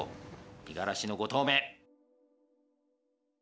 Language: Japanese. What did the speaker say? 五十嵐の５投目。